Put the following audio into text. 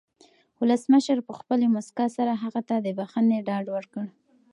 ولسمشر په خپلې مسکا سره هغه ته د بښنې ډاډ ورکړ.